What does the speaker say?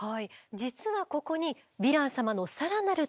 実はここにヴィラン様の更なる特徴がございます。